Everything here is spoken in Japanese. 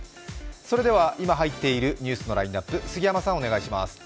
それでは、今入っているニュースのラインナップ、杉山さん、お願いします。